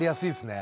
ね